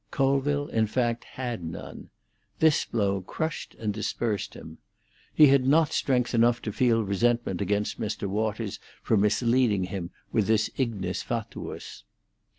Colville, in fact, had none. This blow crushed and dispersed him. He had not strength enough to feel resentment against Mr. Waters for misleading him with this ignis fatuus.